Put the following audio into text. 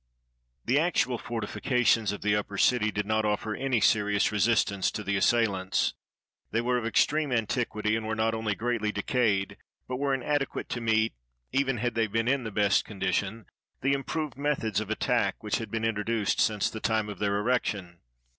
] The actual fortifications of the upper city did not offer any serious resistance to the assailants. They were of extreme antiquity, and were not only greatly decayed, but were inadequate to meet, even had they been in the best condition, the improved methods of attack which had been introduced since the time of their erection.